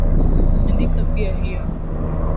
Andika pia hiyo.